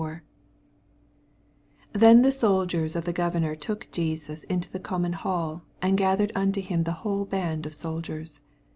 27 Then the soldierB of the gov ernor took JesoB into the common hall, and gathered unto him the whole bftod of goldieri.